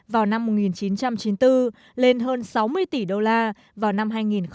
vào năm một nghìn chín trăm chín mươi bốn lên hơn sáu mươi tỷ đô la vào năm hai nghìn hai mươi